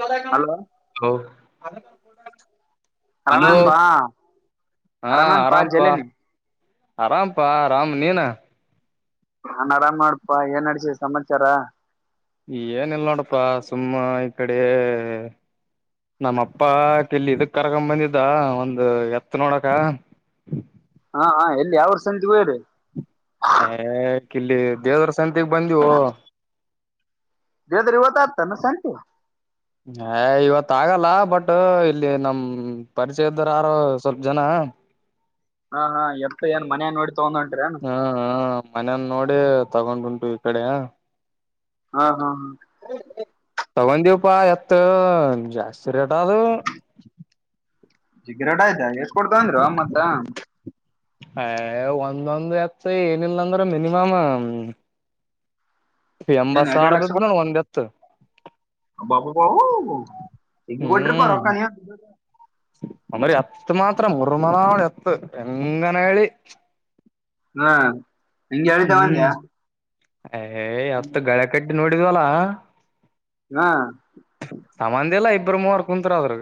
ಕದಣ hello hello ರಮ್ಯಾನ್ ಪಾ ಹಾ ರಮ್ಯಾನ್ ಪಾ ಆರಾಮಪಾ ಜಲನಿ ಆರಾಮಪಾ ಆರಾಮ್ ನೀನ ನಾನ್ ಆರಾಮ ಮಾಡಪಾ ಏನ್ ಅಡಸ ಸಮಾಚಾರ ಏನಲ್ ನೋಡಪ್ಪಾ ಸುಮ್ಮ ಈ ಕಡೆ ನಮ್ಮಪ್ಪ ಕೆಲ್ಲಿ ಇದಕ್ ಕರ್ಕ ಬಂದಿದ್ದ ಒಂದು ಎತ್ ನೋಡಕ ಹ ಹಾ ಹ ಎಲ್ಲಿ ಯಾವರ್ ಸಂತಿಗೂ ಹೇಳಿ ಹಕಲ್ಲಿ ದೇವದ್ರ ಸಂತಗ್ ಬಂದವು ದೇವದರಿ ಹೊತದತ ಸೆಂತಿ ಹ ಇವತ್ ಆಗಲ್ಲ ಬಟ್ ಇಲ್ಲಿ ನಮ ಪರಿಚಯದರು ಯಾರು ಸ್ವಲ್ಪ ಜನ ಹ ಹಾ ಹಾ ಎಪ್ಪ ಏನ್ ಮನ ನೋಡಿ ತಗೊಂಡ್ಟು ಹಾ ಮನೇನ್ ನೋಡ ತಗೊಂಡ್ ಉಂಟು ಈ ಕಡೆ ಹ್ಮ ಹ್ಮ ಹ್ಮ ತಗೊಂಡ ದವು ಪಾ ಎತ್ತ ಜಾಸ್ತಿ ರೇಟ್ ಆದದು ಸಿಗ್ರೇಟ್ ಆಯ್ತಾ ಎಷ್ಟ ಕೊಡ್ತಂದ್ರು ಮತ್ತ ಹ ಒಂದೊಂದ್ ಎತ್ ಏನಿಲ್ಲ ಅಂದ್ರೆ ಮಿನಿಮಮ್ ಎಂಬತ್ ಸಾವಿರ ಬದ ನ ಒಂದ ಎತ್ತು ಬಾಬೂ ಬಾ ಹಗ ಕೊಟ್ಟ್ರಿ ಪರಕ್ಕ ಹ್ಮ್ ನೀ ಎತ್ತು ಮಾತ್ರ ಉರ್ಮಳಾವಳ ಎತ್ತು ಎಂಗನಳಿ ಹಾ ಹಂಗೆ ಹತ ಹ್ಮ್ ಒಂದ್ಯಾ ಏ ಯತ್ತು ಗಳೆ ಕಡ್ ನೋಡಿದ್ವಲಾ ಹಾ ಅಪರಮೂ ಅವ ಕುತ್ರದರು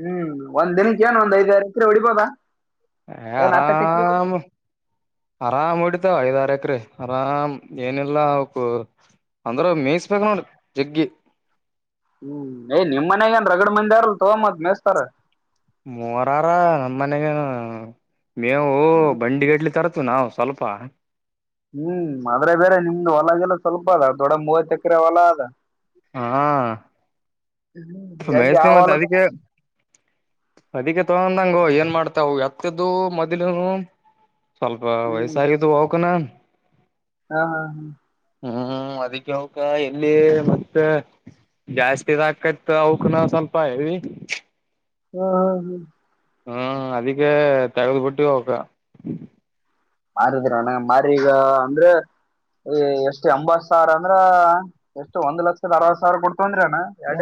ಹ್ಮ್ ಒಂದ್ ದಿನಕ್ಕೆ ಏನ್ ಒಂದ್ ಐದ್ರತ್ ಹೊಡಿಬೋದ ಹ ಆರಾಮ ಆರಾಮ ಉಡತದ ಬಕ್ರಿ ಆರಾಮ್ ಏನಿಲ್ಲಾ ಅವಕು ಅಂದ್ರ ಮೇಯಿಸಬೇಕೇಕ್ರ ಜಗ್ಗಿ ಹ್ಮ್ ಯ್ ನಿಮ್ ಮನ್ಯಗ ಏನ್ ರಗಡ ಮಂದಿಾರಲ್ ತಗೊ ಮತ್ ಮೇಸ್ತಾರ ಮೂರಾರ ನಮ ಮನೆಗನು ಮೇವು ಹ್ಮ್ ಬಂಡಿಗಡ್ಲಿ ತರ ಆತ್ತು ನಾವು ಸ್ವಲ್ಪ ಹ್ಮ್ ಆದ್ರೆ ಬೇರೆ ನಿಮ್ದ ಹೊಲಗೆಲ್ಲ ಸ್ವಲ್ಪ ಅದ ದೊಡ್ಡ ಮೂವತ್ತು ಎಕರೆ ಹೊಲ ಅದ ಹಾ ಹ್ಮ್ ಎಲ್ಲಿ ಮೇಸ್ತಿ ಯಾವ ಮತ್ತ ಹೊಲದ ಅದಕ್ಕೆ ಅದಕ್ಕೆ ತಗೊಂಡಂಗ ಏನ್ ಮಾಡ್ತಾವ ಎತ್ತದ್ದ ಮೊದ್ಲುನು ಸ್ವಲ್ಪ ವಯಸ್ಸಾಗಿದ್ದು ಹೋಗಕನಾ ಹಾ ಹಾ ಹಾ ಹ್ಮ್ ಅದಕ್ಕೆ ಅವಕ ಎಲ್ಲಿ ಜಾಸ್ತಿಿದ ಹಾಕತ್ ಅವಕ ನ ಸ್ವಲ್ಪ ಹೇಳಿ ಹ್ಮ್ ಹ್ಮ್ ಹ್ಮ್ ಅದಕ್ಕೆ ತಗದುಪಟ್ಟು ಹ ಮಾರಿದ್ರಣ ಮಾರೀಗ ಅಂದ್ರೆ ಈ ಎಷ್ಟ್ ಎಂಬತ್ ಸಾವಿರ ಅಂದ್ರ ಎಷ್ಟು ಒಂದ್ ಲಕ್ಷದ ಅರವತ್ ಸಾವಿರ ಕೊಡ್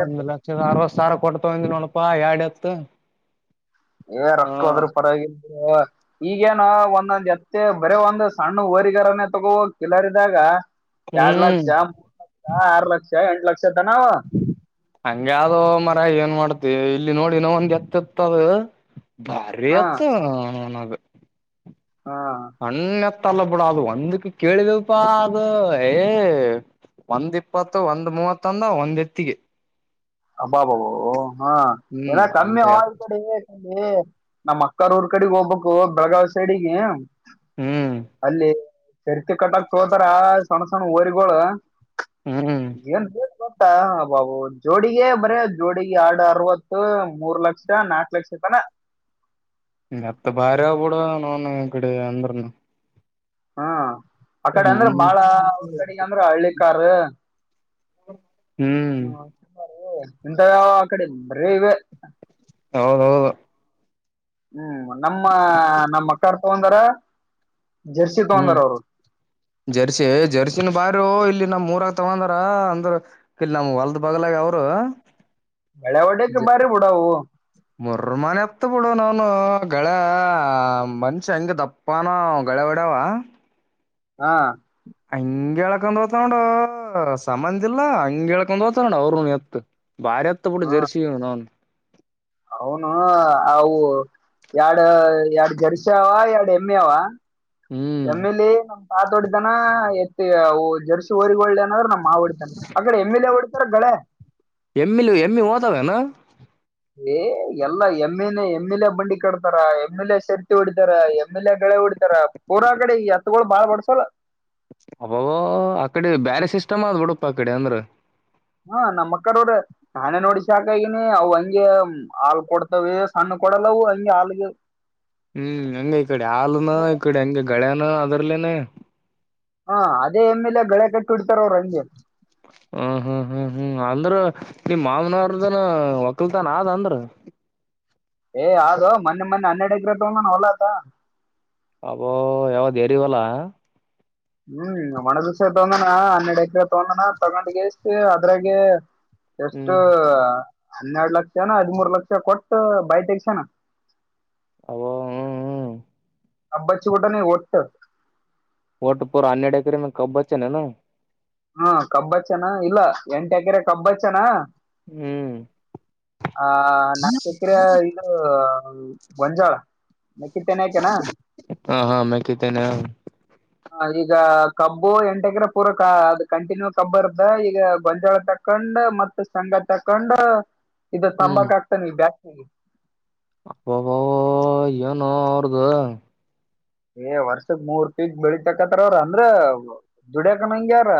ಒಂದ್ ಲಕ್ಷದ ಅರವತ್ ಸಾವಿ ಕೊಡ್ತಾವಂದ ನೋನಪಾ ಎರಡ್ ಎತ್ತು ಏ ಹ ರೊಕ್ಕ ಅದ್ರೂ ಪರವಾಗಿ ಈಗೇನ್ ಒಂದೊಂದ್ ಎತ್ತೆ ಬರ ಒಂದ್ ಸಣ್ಣ ಓರಿಗರನೆೇ ತಗೋ ಕಿಲರಿದಾಗ ಎರಡ್ ಲಕ್ಷ ಹ್ಮ್ ಮೂರ್ ಲಕ್ಷ ಆರು ಲಕ್ಷ ಎಂಟ ಲಕ್ಷ ತನಾವ ಹಂಗ ಯಾವ್ದೋ ಮರ ಏನ್ ಮಾಡ್ತಿ ಇಲ್ಲಿ ನೋಡಿಿನ ಒಂದ್ ಎತ್ತ ಎತ್ತದ ಭಾರಿ ಹ ಅತ್ತ ನನಾಗ ಹ ಅಣ್ಣೆತ್ತ ಅಲ್ಲ ಬಿಡ ಅದು ಒಂದಕ್ಕೆ ಕೇಳಿದವಪಾ ಅದು ಏ ಒಂದ್ ಇಪ್ಪತ್ತು ಒಂದ್ ಮೂವತ್ತ ಅಂದ ಒಂದ್ ಎತ್ತಿಗೆ ಅಬ್ಬಾಬಾಬಾಬ ಹಾ ಏನ ಹ್ಮ್ ಕಮ್ಮಿ ಹ ಅಂತ ಕೊಡಿ ನಮ್ಮ ಕೂರ್ ಕಡೆಗೆ ಹೋಗ್ಬೇಕು ಬೆಳಗಾವಿ ಸೈಡಿಗೆ ಹ್ಮ್ ಚರ್ತಿ ಕಟ್ಟಕ್ ತೋತಾರ ಸಣ್ಣ ಸಣ್ಣ ಓರಿಗಏ ಹ್ಮ್ ಹಬಬ ಜೋಡಿ ಬರೀ ಜೋಡಿಿಗೆ ಎರಡು ಅರವತ್ತು ಮೂರ್ ಲಕ್ಷ ನಾಕು ಲಕ್ಷ ಐತಾನ ಅತ್ತ ಭಾರ್ಯ ಕೂಡ ನನ ಇಡೆ ಅಂದ್ರನು ಹ್ಮ ಆ ಕಡೆ ಅಂದ್ರೆ ಹ್ಮ್ ಬಾಳ ಅವ್ರ ಕಡೆಗ ಅಂದ್ರೆ ಹಳ್ಳಿಿಕಾರ್ ಹ್ಮ ಹ ಎಂತ ಯ ಆ ಕಡೆ ಬರ ಇವೆ ಹೌದೌದು ಹ್ಮ್ ನಮ್ಮ ನಮ್ಮ ಅಕ್ಕಾರ್ ತಗೊಂಡಾರ ಜರ್ಸಿ ಹ್ಮ್ ತಗೊಂಡಾರ ಅವ್ರು ಜರ್ಸಿ ಜರ್ಸಿನ ಬಾರ ಇ ಇಲ್ಲಿ ನಮ್ ಮೂರ ಆಗ್ತಗಂದ್ರ ಅಂದ್ರ ಇಲ್ ನಮ್ ಹೊಲ್ದ ಬಗ್ಲಾಗ ಅವರು ಬೆಳೆಾವಡೆಕ್ಕೆ ಬಾರಿ ಬುಡಾವ ಮರ್ಮನೆ ಹತ್ ಬಿಡು ನನು ಗಳ ಮನ್ಷ ಹಂಗ ದಪ್ಪಾನ ಕೆಳವಡಾವ ಹಾ ಹಂಗ ಹೇಳೇಕೊಂಡ್ ಓತಾನೋೊಂಡ ಸಂಬಂದ ಇಿಲ್ಲಾ ಹಂಗ ಹೇಳ್ಕೊಂಡ್ ಓತೋೊಂಡ ಅವರುೂ ಎತ್ ಭಾರಿತ್ತ ಪುಡ ಜರ್ಸಿ ನೋನ್ ಹೌನು ಅವವು ಎರಡ್ ಎರಡ್ ಜರ್ಸ ಅವ ಎರಡ್ ಹೆಮ್ಮೆ ಅವ ಹ್ಮ್ ಎಮ್ಮಿಲಿ ನಮ್ ತಾತೋಡ್ದನ ಎತ್ತಿ ಜರ್ಸಿ ಓರಿಗ ಒಳ್ಳನ್ರ ನಮ ಮಾ ಹೊಡ್ತಾನ ಅಕಡೆ ಎಂ ಎಲ್ ಎ ಹೊಡ್ತಾರೆ ಗಗಳೆ ಎಮ್ಮಿಲು ಎಮ್ಮಿ ಹೋದಾವೇನಾ ಏ ಎಲ್ಲಾ ಎಮ್ಮೆಲೆ ಎಮ ಎಲೆ ಬಂಡಿ ಕಡ್ತಾರ ಎಮ್ ಎಲೆ ಶರ್ತಿ ಹೊಡಿತಾರ ಎಮ್ ಎಲೆ ಎ ಗಳೆ ಬಿಡ್ತಾರ ಪೂರಾ ಕಡೆ ಈ ಹತ್ಗಳು ಬಾಳ್ ಬಡ್ಸೋಳ ಅಬವ ಆಕಡೆ ಬ್ಯಾರಜ್ ಸಿಸ್ಟಮ್ ಅದ್ ಬುಡಪ್ಪ ಅ ಕಡೆ ಅಂದ್ರ ಹಾ ನಮ್ ಅಕ್ಕರ ಅವ್ರ ಸಾನೆ ನೋಡಿಸಾಕಗನಿ ಅವ ಹಂಗೆ ಹಾಲ್ ಕೊಡ್ತವ ಸಣ್ಣ ಕೊ ಕೊಡಲ ಹಗೆ ಆಲ್ಗ ಹ್ಮ್ ಹೆಂಗಗೆ ಈ ಕಡೆ ಹಾಲನಾ ಅದೇ- ಈಕಡೆ ಹಂಗೆ ಳ್ಯಾನ ಅದ್ರಲೇನೆ ಹಾ ಅದೇ ಎಮೇಲೆ ಗಳೆ ಕಟ್ಟ ಹ್ಮ ಹ್ಮ್ ಹ್ಮ್ ಹ್ಮ್ ಆ ಅಂದ್ರ ನಿಮ್ ಮಾಮನವ್ರದನ್ ಒಕ್ಕಲ್ ತನ್ ಆದ ಅಂದ್ರ ಏ ಯದು ಮೊನ್ನೆ ಮೊನ್ನೆ ಹನ್ನೆಡು ಎಗ್ರ ತಂಗಾನ ಹೊಲಾತ ಅಬೋ ಯಾವ ರಿವಲ್ಲ ಹ್ಮ್ ಒಣೆ ದಿವಸೆ ತೊಂದಣ ಹನ್ನೆರಡು ಎಕರೆ ತೊಗಂದನ ತಗೊಂಡಗ ಇಷ್ಟ ಅದ್ರಾಗ ಎಷ್ಟು ಹ್ಮ್ ಹನ್ನೆರಡು ಲಕ್ಷನಾ ಹದಿಮೂರ್ ಲಕ್ಷ ಕೊಟ್ಟ ಬೈ ತೆಗಿಸೋಣ ಅ ಹ್ಮ್ ಹ್ಮ್ [unintelligible] ವಟಪ ಅನ್ಯ ಡೈಕ ಕಬ್ ಬಚೆನೆ ಹಾ ಕಬ್ಬ ಚನ ಇಲ್ಲ ಎಂಟ ಎಕರೆ ಕಬ್ಬ ಹಚ್ಚಿನ ಹ್ಮ್ ಆ ನಾನ್ಕ್ರ ಇದು ಹೌ ಬಂಜಾರ ಹಾ ಹಾ ಮ ಕತೆನ ಈಗ ಕಬ್ಬು ಎಂಟಕ್ರ ಪೂರ ಅದ ಕಂಟಿನ್ಯೂ ಕಬ್ಬ ಇರ್ದ ಈಗ ಗೊಂಜಾಳ ತ ಹಕಂಡ್ ಮತ್ತ ಸಂಗಾತಿ ಹಕೊಂಡ ಇದ ಸಂಂಬಕ್ ಆಗ್ತಾನ ಬ್ಯಾಸ್ ಅಪ್ಪಬೋ ಏನು ಅವರುದು ಏ ವರ್ಷದ ಮೂರ್ ಪೀಕ್ ಬೆಳಿತಕತ್ತಾರ ಅವ್ರ ಅಂದ್ರ ದುಡ್ಯಕನಂಗಗೆ ಯಾರ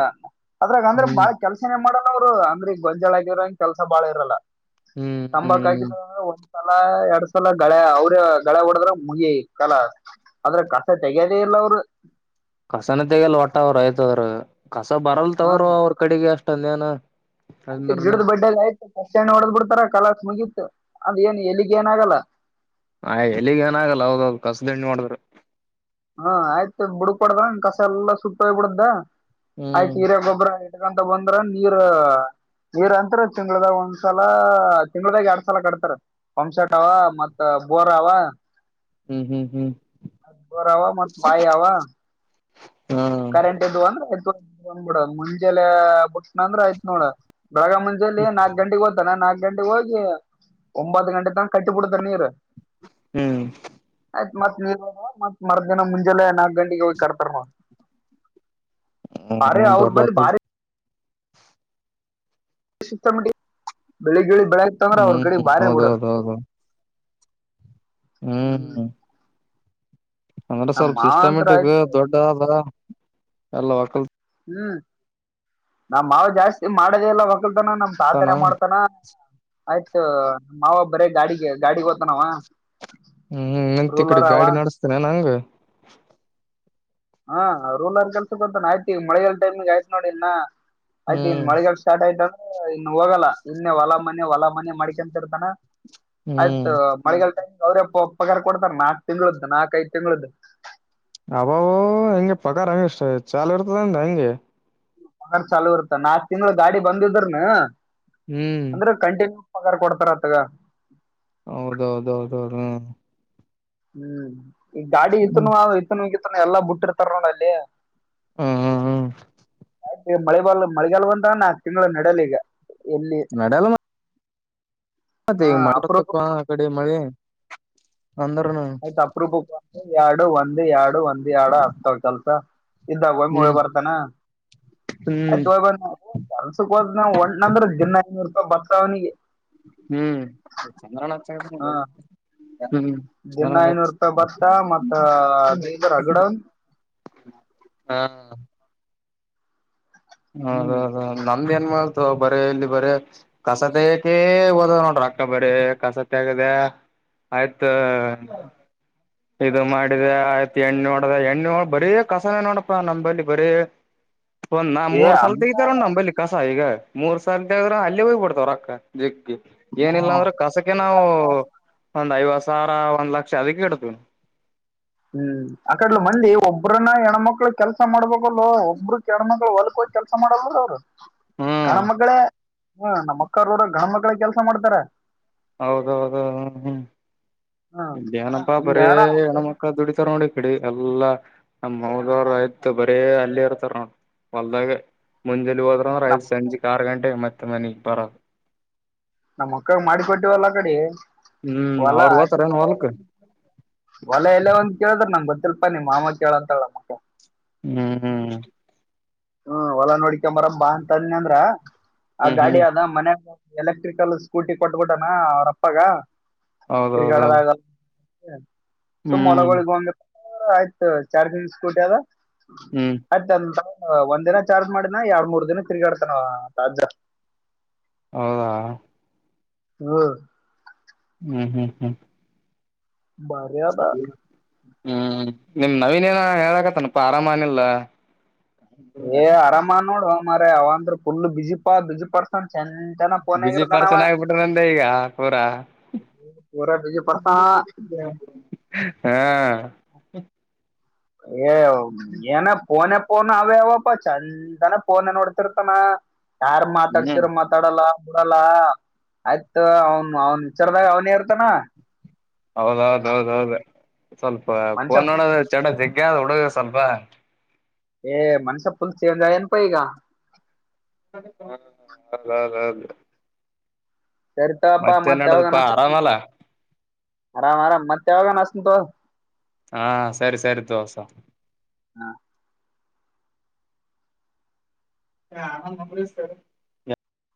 ಅದ್ರಾಗ ಅಂದ್ರೆ ಹ್ಮ್ ಬಾಳ ಕೆಲ್ಸನೇ ಮಾಡಣವ್ರು ಅಂದ್ರೆ ಗೊಲ್ಜಾಳಗಿರೋಂಗ ಕೆಲ್ಸ ಬಾಳ ಇರಲ್ಲ ಹ್ಮ್ ತಂಬಾಕಾಯಕ ಹ್ಮ್ ಒ ಸಲ ಎರಡ್ ಸಲ ಗಳ ಅವ್ರ ಗಳೇ ಹೊಡದ್ರ ಮುಗಿ ಕಲ ಆದ್ರೆ ಕಸ ತೆಗೆಯದೇ ಇಲ್ಲ ಅವರು ಕಸನ ತೆಗಲ್ ಒಟ್ಟ ಅವ್ರ ಆಯ್ತದ್ರ ಕಸ ಬರಲ್ತವರು ಅವ್ರ ಕಡೆಗೆ ಅಷ್ಟಂದ ಏನ ಆ ಡದ ಬಡ್ಡಲ್ಲಯ ಬಸ್ ಸ್ಟ್ಯಾಂಡ್ ನೋಡದ್ ಬಿಡ್ತಾರ ಕಲಾಸ್ ಮುಗಿತ ಅದ ಏನು ಎಲ್ಲಿಗೆ ಏನಾಗಲ್ಲ ಆ ಎಲ್ಲಿಗ್ ಏನಾಗಲ್ಲ ಹೌದೌದು ಕಸ್ದುಣ್ಣಿ ಮಾಡಿದ್ರು ಹಾ ಆಯ್ತು ಬುಡ್ಬಡ್ದಂಗ ಕಸ ಎಲ್ಲಾ ಸುಟ್ಟ ಹೋಗ್ಬ ಬಿಡುದ್ದ ಹ್ಮ್ ಆಯ್ತು ಹೀರ ಗೊಬರ ಆಯ್ತ [unintelligible] ಬಂದ್ರ ನೀರ್ ನೀವರ ಅಂತರ ತಿಂಗಳದಾಗ ಒಂದ್ಸಲ ತಿಂಗಳದಾಗ ಎರಡ್ ಸಲ ಕಟ್ತಾರ ಪಂಪ್ಸಟ್ವ ಮತ್ ಬೋರವಾ ಹ್ಮ್ ಹ್ಮ್ ಹ್ಮ್ ಬೋರ್ ಅವ ಮತ್ ಮಾಯಿ ಅವವ ಹಾ ಕರೆಂಟ್ ಇದ್ ಅಂದ್ರೆ ಆಯ್ತ ಬಂದ್ ಬಿಡ ಮುಂಜೆಲ್ಲಟ್ಟ ನಂದ್ರ ಆಯ್ತ ನೋಡ ಬರಗ ಮುಂಜೇಲಿ ನಾಕಕ್ ಗಂಟೆಗೆ ದ್ತಾನ ನಾಕ ಗಂಟೆಗೆ ಹೋಗಿ ಒಂಬತ್ತು ಗಂಟೆ ತನ ಕಟ್ಟಿಬ ಬಿಡತ ನೀರು ಹ್ಮ್ ಆಯ್ತ ಮತ್ ನೀರ್ ಮತ್ ಮರ್ದನ ಮುಂಜೆಲೆ ನಾಕ ಗಂಟೆಗೆ ಹೋಗಿ ಕಟ್ತಾರ ನೋ ಅರೆ ಹ್ಮ ಅವ ದೊಡ್ಡ ಬಲೆ ಬಾರೆ ಸತ್ತ ಮಟ್ಕಾ ಬೆಳಿಗ್ಗಿಳಿ ಬೆಳಗ್ ತಂದ್ರ ಅವ್ರ ಕಡೆ ಹ್ಮ್ ಬಾರೆ ಬಿಡ ಹೌದೌದೌದು ಹ್ಮ್ ಅಂದ್ರೆ ನಮ್ ಸ್ವಲ್ಪ ಮಾವ ಅಂತ್ರ ಸಿಸ್ಟಮೆಟಿಕ್ ಆಯ್ತ ದೊಡ್ಡ ಅ ಎಲ್ಲ ವಕಲ್ ಹ್ಮ್ ನಾ ಮಾವ ಜಾಸ್ತಿ ಮಾಡೋದಲ್ಲ ಲ್ನ ನಮ್ ತಾತನೇ ಮಾಡ್ತಾನ ಆಯ್ತ ಮಾವ ಬರೇ ಗಾಡಿಗೆ ಗಾಡಿಗೆ ಓತನಾವ ಹ್ಮ್ ಎಂತ ಈ ಕಡೆ ಗಾಡಿ ನಡೆಸ್ತೇನ ನಂಗ ಹಾ ರೂಲ್ರ್ ಕೆಲ್ಸ ಗತಾನ ಆಯ್ತತಿ ಈ ಮಳೆಾಲ ಟೈಮಿಗ್ ಆಯ್ತ್ ನೋಡಿ ಇನ್ನ ಆಯ್ತ ಇನ್ ಹ್ಮ್ ಮಳಿಗಾಗ ಸ್ಟಾರ್ಟ್ ಆಯ್ತ ಇನ್ ಹೋಗಲ್ಲ ಇನ್ನೆ ಹೊಲ ಮನೆ ಹೊಲ ಮನೆ ಮಡಿಕಂತಿ ಇರ್ತಾನ ಹ್ಮ್ ಆಯ್ತ ಮಳೆಗಾಲ ಅವ್ರಪ್ಪ ಒಪ್ಪಗಾರ ಕೊಡ್ತಾರೆ ನಾಕ್ ತಿದ್ದು ನಾಕ ಐದು ತಿಂಗ್ಳದ್ದು ಅಬವೋ ಹೆಂಗೆ ಪಕಾರಾರ್ ಹಂಗ ಇಷ್ಟ ಚಾಲ್ ಇರ್ತದಂದ ಹೆಂಗೆ ಪಗಾರ್ ಚಲ ಇರುತ್ತ ನಾಕ ತಿಂಗಳು ಗಾಡಿ ಬಂದಿದ್ರನು ಹ್ಮ್ ಅಂದ್ರೆ ಕಂಟಿನ್ಯೂ ಗ ಕೊಡ್ತಾರ ಅತ್ಗ ಹೌದೌದ ಹೌದ ಹ ಹ್ಮ್ ಈ ಗಾಡಿ ಇತ್ನು ಹ್ಮ್ ಇತನುಗತ್ತುನು ಎಲ್ಲಾ ಬಿಟ್ಟಿರ್ತಾರ ನೋಡ ಅಲ್ಲಿ ಹ್ಮ್ ಹ ಹ್ಮ್ ಈಗ ಮಳೆಗಾಲ್ ಮಳೆಗಾಾಲಂತ ನಾಕು ತಿಂಗಳು ನಡಲಿ ಈಗ ಎಲ್ಲಿ ನಡೆಯಲ್ಲ ಮತ್ತೆ ಹ ಈಗ ಮಂಡ್ರ ಅಪರೂಪ ತಕ್ಕ ಆ ಕಡೆ ಮಳೆ ಅಂದ್ರನು ಆಯ್ತ್ ಅಪ್ರ ಬುಕ್ ಎರಡು ಒಂದ್ ಎರಡು ಒಂದ್ ಎರಡು ಆಗ್ತವ ಕೆಲ್ಸ ಇದ್ದಾಗ ಒ ಹ್ಮ್ ಬರ್ತಾನ ಹ್ಮ್ ಆಯ್ತು ಸ ಒ್ ಅಂದ್ರೆ ದಿನ ಐನೂರು ರೂಪಾಯಿ ಬರ್ತಾವವನಿಗೆ ಹ್ಮ್ ಚಂದ್ರಳ ಹ ದಿನ ಐನೂರು ರೂಪಾಯಿ ಭತ್ತ ಮತ್ತ ಬೀಜರ್ ಹಗಡನ್ ಹಾ ಹ್ಮ್ ಹೌದದ ನಮ್ದ ಏನ್ ಮಾಡ ಬರೀ ಇಲ್ಲಿ ಬರೀ ಕಸತ್ ಕೆ ಓದ ನೋಡ್ರಿ ಅಕ್ಕ ಬರೀ ಕಸತ ಆಗದ ಆಯ್ತ್ು ಇದು ಮಾಡಿದೆ ಆಯ್ತು ಎಣ್ಣ ನೋಡದ ಎಣ್ಣ ನೋ ಬರೀ ಕಸನ ನೋಡಪ್ಪ ನಂಬಲ್ಲಿ ಬರೀ [inaudible] ಒಂದ್ ನಾ ಏ ಮೂರ್ ಸಲ್ ಅಂದ್ರ ತೆಗತಾರ ನಮ ಬಿ ಕಸ ಈಗ ಮೂರ್ ಸಾಲ ತಗದ್ರೆ ಅಲ್ಲಿೇ ಹೋಗ್ಬ ಬಿಡ್ತವ ರೊಕ್ಕ ಜ ಏನಿಲ್ಲ ಹ್ಮ ಅಂದ್ರೆ ಕಸಕ್ಕೆ ನಾವು ಒಂದ್ ಐವತ್ತು ಸಾವಿರ ಒಂದ್ ಲಕ್ಷ ಅದಕ್ಕೆ ಇಡತೇ ಹ್ಮ್ ಅಕಡ್ಲು ಮಂದಿ ಒಬ್ಬ್ರನ್ನ ಹೆಣ್ಮಕ್ಳು ಕೆಲಸ ಮಾಡ್ಬೇಕಲ್ಲ ಒಬ್ಬರು ಕೆಣ್ಮಕ್ಳು ಹೊಲ್ಕೋ ಕೆಲಸ ಮಾಡ ಅವ್ರರು ಗಣ ಹ್ಮ್ ಮಕ್ಳೇ ಹ್ಮ ನಮ್ಮ ಅಕ್ಕಾರೋರ ಗಣ ಮಕ್ಳೇ ಕೆಲ್ಸ ಮಾಡ್ತಾರ ಹೌದೌದ ಹ್ಮ ಹ್ಮ್ ಹ್ಮ್ ಇ ಏನಪ್ಪಾ ಬರೀ ಹಿಂಗನ ಹೆಣಮ್ಮಕ್ಕ ದುಡಿತಾರ ನೋಡ ಇಡಿ ಎಲ್ಲಾ ನಮ್ಮ್ ಹದವರು ಆಯ್ತು ಬರೇ ಅಲ್ಲೇ ಇರ್ತಾರ ನೋ ವಲದಾಗ ಮುಂಜೆಲ್ಲಿ ನಮ್ ಹೋದರದು ಸಂಂಜ ಆರು ಗಂಟೆ ಮತ್ತೆ ಮನೆ ಬರ ನಮ್ಮ್ ಅಕ್ಕಾಗ ಮಾಡಿ ಕೊೊಟ್ಟಿವವಲ್ಲ ಕಡೆ ಹ್ಮ್ ಹೊಲೆ ಅವ್ರ ಹೋತಾರೇನ್ ಹೊ ಹೊಲ್ಕ್ ಎ ಹೊಲ ಎಲ್ಲ ಒಂದು ಕೇಳಿದ್ರ ನಂಗ ಬ ಸ್ವಲ್ಪ ನೀ್ ಮಾಮತ್ ಹೇಳ ಅಂತ ಹೇಳ ಮಕ್ಕಳ ಹ್ಮ್ ಹ್ಮ ಹೊಲ ನೋಡ್ಿಕಂಬರ ಬಾ ಅಂತಿ ಅಂದ್ರ ಆ ಹ್ಮ್ ಹ್ಮ್ ಗಾಡಿ ಆದದ ಮನ್ ಎಲೆಕ್ಟ್ರಿಕಲ್ ಸ್ಕೂಟಿ ಕೊಟ್ಬಿಡನಾ ಅವ್ರಪ್ಪಗ ಹೌದೌದ ಸೊ ಹ್ಮ್ ಮೊಲಗೊಳಗಂಗ ಆಯ್ತು ಚಾರ್ ತಿನ್ ಸ್ಕೂಟಿ ಅದ ಹ್ಮ್ ಅತ ಒಂದ್ ದಿನ ಚಾರ್ಜ್ ಮಾಡಿನ ಎರ ಮೂರ್ ದಿನ ತಿರುಗಾಡ್ತಾನ ತಜಾ ಹೌದಾ ಹ್ಮ ಹ್ಮ್ ಹ್ಮ್ ಹ್ಮ್ ಮರ್ಯಾದಾ ಹ್ಮ್ ನಿಮ ನವೀನ್ ಏನ ಹೇಳಾಕತ್ತನಪ್ಪ ಆರಾಮನಿಲ್ಲ ಆರಾಮ ನೋಡ ಮ ಅವ ಅಂದ್ರ ಫುಲ್ಲ ಬಜ ಪಜ ಪರ್ಸ ಚಂದ ಚನ ಪೋನ ಬಿಜಿ ಆಗರದನವ ಪರ್ಸನ್ ಆಗ್ಬಿಟ್ರಂದೆ ಈಗ ಪೂರಾ ಬಿಜ ಪಡ್ಸ ಹಾ, ಏ ಏನಾ ಫೋನ್. ೋನ್ ಅವೇ ಯಾವಪ್ಪ ಚತ್ನ ಫೋನ್ ನೋಡ್ತಿರ್ತಾನ ಯಾರ್ ಹ್ಮ್ ಮಾತಾಡ್ಸಿರ ಮಾತಾಡಲ್ಲ. ಡಲ್ಲ ಆಯ್ತ ಅವನ್ ಅವನ್ ವಿಚಾರದಾಗ ಅವನೇ ಇರ್ತಾನ. ಹೌದ ಹೌದದು ಸ್ವಲ್ಪ ಮನ್ಷ್ಯ ಫೋನ್ ನೋಡೋದು ಚಟ ಜಗ ಗಿ ಅದ ಹುಡುಗ ಸ್ವಲ್ಪ. ಏ ಮನಷ್ಯ ಪುಲ್ ಚೇಂಜ್ ಆಗ್ಯಾನ್ಪ್ ಈಗ ಅವ್. [unintelligible] ಸರಿ ತೊಗೊಪ್ಪಾ ಮತ್ತೇನ್ ಮತ್ತೆ ಯಾವಾಗನಾ ನಡದಪ್ಪಾ ಹಚ್ತಿನಿ ಆರಾಮಲ್ಲ ಆರಾಮ ಆರಾಮ್ ಮತ್ತೆ ಯಾವಾಗನ್ ಹಚ್ತಿನಿ. ಹಾ ಸರಿ ಸರಿ ತೊಗೊ, [unintelligible]